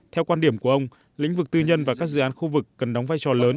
theo quan điểm của ông lĩnh vực tư nhân và các dự án khu vực cần đóng vai trò lớn